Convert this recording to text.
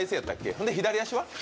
そんで左足は？